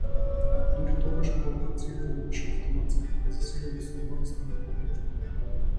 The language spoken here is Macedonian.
Дури тогаш провокацијата им беше автоматска, засилена со младоста на куклите.